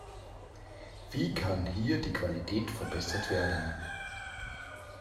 Wie kann hier die Qualität verbessert werden?